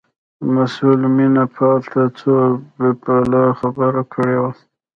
مسئول مینه پال ته څو پلا خبره کړې وه.